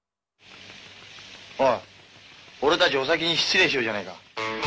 おい俺たちお先に失礼しようじゃないか。